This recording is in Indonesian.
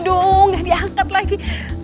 aduh gak diangkat lagi